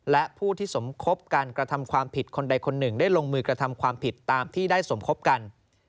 และผู้ที่สมคบการกระทำความผิดคนใดคนหนึ่งได้ลงมือกระทำความผิดตามที่ได้สมคบกัน